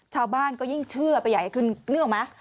ชาวบ้านก็ยิ่งเชื่อไปใหญ่ขึ้นนึกออกไหม